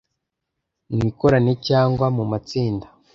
mwikorane cyangwa mu matsinda.